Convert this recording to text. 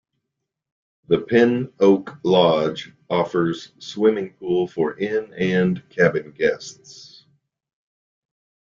The Pin Oak Lodge offers a swimming pool for inn and cabin guests.